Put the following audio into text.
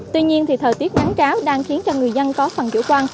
tuy nhiên thì thời tiết ngắn cáo đang khiến cho người dân có phần chủ quan